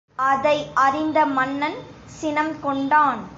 அதை அறிந்த மன்னன், சினம் கொண்டான்.